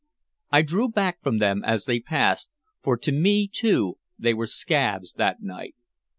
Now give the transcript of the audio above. I drew back from them as they passed, for to me too they were "scabs" that night.